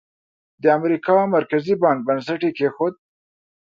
د امریکا مرکزي بانک بنسټ یې کېښود.